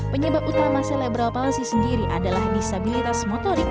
penyebab utama celebral palsi sendiri adalah disabilitas motorik